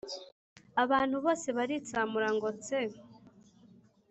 abantu bose baritsamura ngo tse